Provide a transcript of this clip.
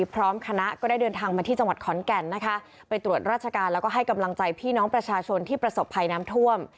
พร้อมคณะก็ได้เดินทางมาที่จังหวัดขอนแก่นนะคะไปตรวจราชการแล้วก็ให้กำลังใจพี่น้องประชาชนที่ประสบภัยน้ำท่วม